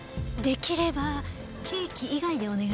できればケーキ以外でお願い。